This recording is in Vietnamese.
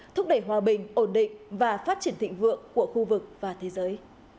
thúc đẩy hòa bình ổn định và phát triển thịnh vượng của khu vực và thế giới